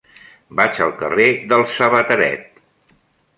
Vaig al carrer del Sabateret.